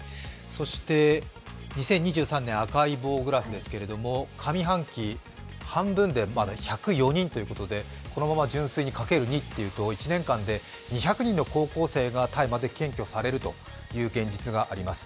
そして２０２３年、赤い棒グラフですけど上半期、半分で１０４人ということでこのまま純粋に×２というと、１年間に２００人の高校生が大麻で検挙されるという現実があります。